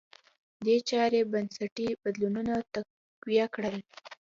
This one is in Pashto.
دې چارې بنسټي بدلونونه تقویه کړل.